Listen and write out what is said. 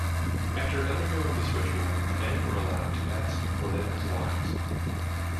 After undergoing this ritual, the men were allowed to ask for them as wives.